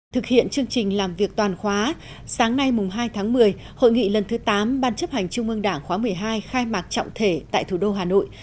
thực hiện chương trình làm việc toàn khóa sáng nay hai tháng một mươi hội nghị lần thứ tám ban chấp hành trung ương đảng khóa một mươi hai khai mạc trọng thể tại thủ đô hà nội